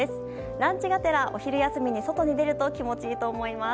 ランチがてら、お昼休みに外に出ると気持ちいいと思います。